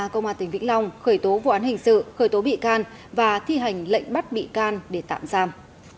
công an tỉnh vĩnh long khởi tố vụ án hình sự khởi tố bị can và thi hành lệnh bắt bị can để tạm giam